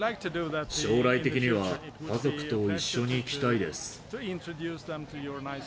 将来的には家族と一緒に来たいです。